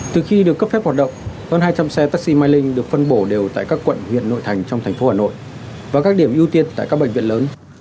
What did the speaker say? từ khi được cấp phép hoạt động hơn hai trăm linh xe taxi mylink được phân bổ đều tại các quận huyện nội thành trong tp hcm và các điểm ưu tiên tại các bệnh viện lớn